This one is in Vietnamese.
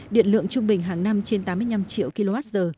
điện lượng trung bình hàng năm trên tám mươi năm triệu kwh